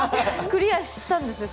クリアしたんですね